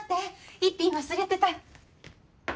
一品忘れてた。